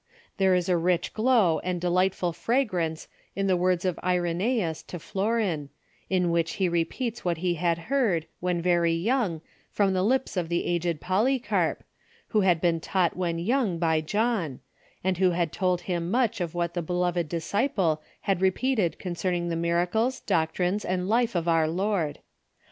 There is a rich glow and de lightful fragrance in the words of Irena^us to Florin, in which he repeats what he had heard, when very young, from the lips of the aged Polycarp, who had been taught Avhen young by John, and who had told him much of what the beloved disciple had repeated concerning the miracles, doctrines, and life of our Lord.